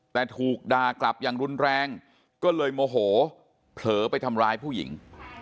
แต่ถูกด่ากลับอย่างรุนแรงก็เลยโมโหเผลอไปทำร้ายผู้หญิง